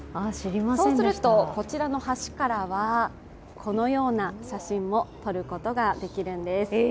そうするとこちらの橋からはこのような写真も撮ることができるんです。